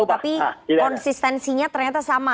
tapi konsistensinya ternyata sama